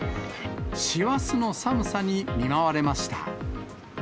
師走の寒さに見舞われました。